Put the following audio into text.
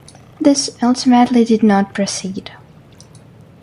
This ultimately did not proceed.